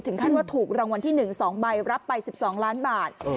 ขั้นว่าถูกรางวัลที่๑๒ใบรับไป๑๒ล้านบาท